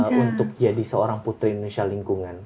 dan aku bisa jadi seorang putri indonesia lingkungan